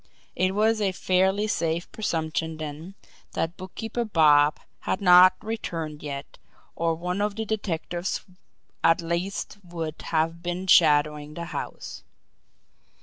It was a fairly safe presumption then that Bookkeeper Bob had not returned yet, or one of the detectives at least would have been shadowing the house.